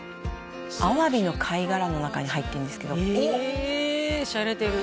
アワビの貝殻の中に入ってるんですけどあっええしゃれてる